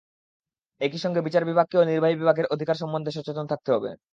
একই সঙ্গে বিচার বিভাগকেও নির্বাহী বিভাগের অধিকার সম্বন্ধে সচেতন থাকতে হবে।